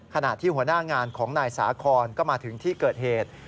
ขณะที่หัวหน้างานของนายสาคอนก็มาถึงที่เกิดเหตุ